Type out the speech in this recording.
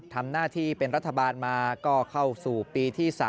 ทำหน้าที่เป็นรัฐบาลมาก็เข้าสู่ปีที่๓